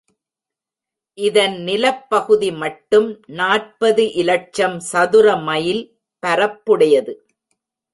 இதன் நிலப்பகுதி மட்டும் நாற்பது இலட்சம் சதுர மைல் பரப்புடையது.